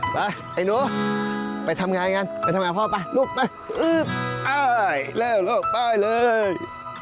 ไปไอ้หนูไปทำงานกันไปทำงานพ่อไปลูกไปเร็วลูกไปเลย